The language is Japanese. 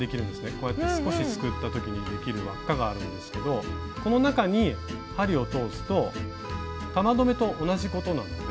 こうやって少しすくった時にできる輪っかがあるんですけどこの中に針を通すと玉留めと同じことなので。